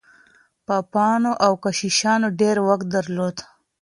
پاپانو او کشیشانو ډېر واک درلود.